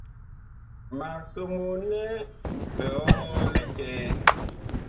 Mag somoo nɛ biɔŋɔɔ likɛɛ.